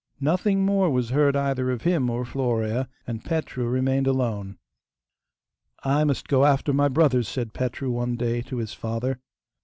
Nothing more was heard either of him or Florea; and Petru remained alone. 'I must go after my brothers,' said Petru one day to his father.